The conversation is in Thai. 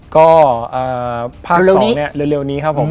ก็ภาค๒เร็วนี้ครับผม